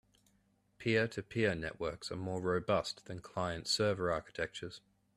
Peer-to-peer networks are more robust than client-server architectures.